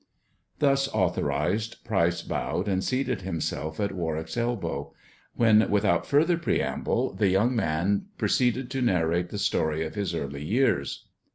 Thus authorized, Pryce bowed, and seated himself at ''arwick's elbow; when, without further preamble, the ►ung man proceeded to narrate the story of his early sars.